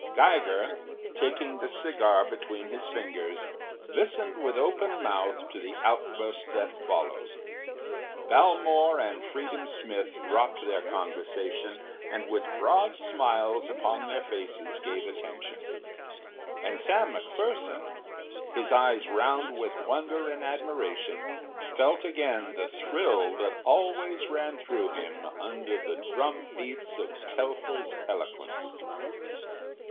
Geiger, taking the cigar between his fingers, listened with open mouth to the outburst that followed. Valmore and Freedom Smith dropped their conversation and with broad smiles upon their faces gave attention, and Sam McPherson, his eyes round with wonder and admiration, felt again the thrill that always ran through him under the drum beats of Telfer’s eloquence.